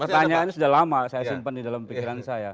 pertanyaannya sudah lama saya simpan di dalam pikiran saya